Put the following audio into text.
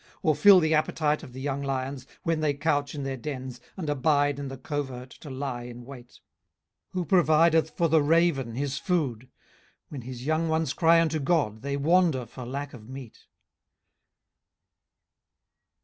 or fill the appetite of the young lions, 18:038:040 When they couch in their dens, and abide in the covert to lie in wait? 18:038:041 Who provideth for the raven his food? when his young ones cry unto God, they wander for lack of meat.